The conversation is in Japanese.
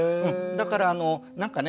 だからなんかね